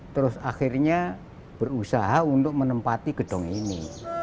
terus akhirnya berusaha untuk menempati gedung ini